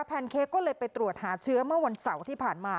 แนนเค้กก็เลยไปตรวจหาเชื้อเมื่อวันเสาร์ที่ผ่านมา